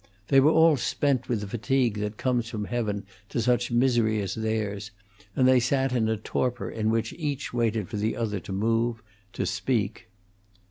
They were all spent with the fatigue that comes from heaven to such misery as theirs, and they sat in a torpor in which each waited for the other to move, to speak.